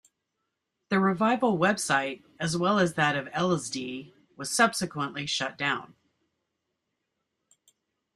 The revival web site, as well as that of "Ellesdee", was subsequently shut down.